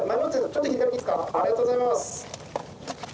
「ありがとうございます」